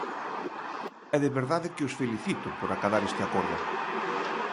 E de verdade que os felicito por acadar este acordo.